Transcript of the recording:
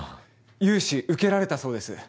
融資受けられたそうです。